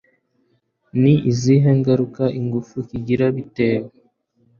Ni izihe ngaruka igifu kigira bitewe